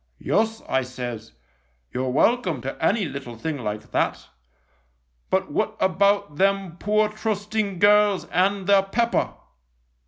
11 ' Yus,' I says, ' you're welcome to any little thing like that ; but what about them poor trusting girls and their pepper